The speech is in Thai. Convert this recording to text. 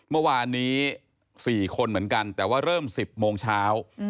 เมื่อวานนี้๔คนเหมือนกันแต่ว่าเริ่ม๑๐โมงเช้า